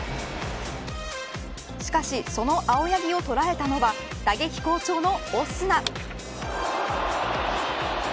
しかし、その青柳を捉えたのは打撃好調のオスナ。